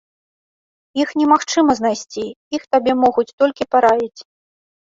Іх немагчыма знайсці, іх табе могуць толькі параіць.